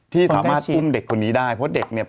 ที่สามารถอุ้มเด็กคนนี้ได้เพราะเด็กเนี่ย